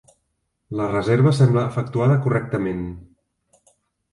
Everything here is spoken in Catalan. La reserva sembla efectuada correctament.